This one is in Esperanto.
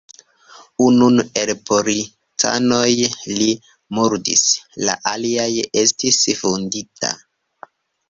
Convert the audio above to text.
Unun el policanoj li murdis, la alia estis vundita.